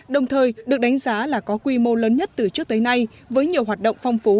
đồng thời được đánh giá là có quy mô lớn nhất từ trước tới nay với nhiều hoạt động phong phú